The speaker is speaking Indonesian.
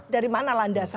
dari mana landasannya